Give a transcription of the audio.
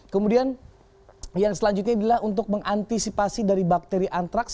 kemudian yang selanjutnya adalah untuk mengantisipasi dari bakteri antraks